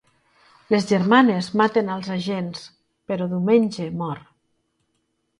Les germanes maten als agents, però Diumenge mor.